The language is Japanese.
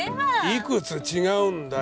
いくつ違うんだよ。